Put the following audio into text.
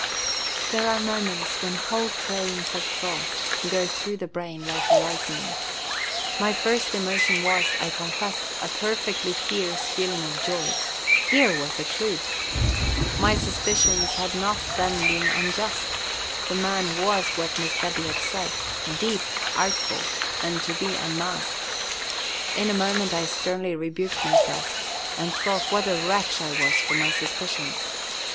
There are moments when whole trains of thought go through the brain like lightning. My first emotion was, I confess, a perfectly fierce feeling of joy. Here was a clew! My suspicions had not then been unjust; the man was what Miss Debby had said, – deep, artful, and to be unmasked. In a moment I sternly rebuked myself, and thought what a wretch I was for my suspicions.